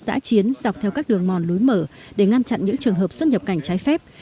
giã chiến dọc theo các đường mòn lối mở để ngăn chặn những trường hợp xuất nhập cảnh trái phép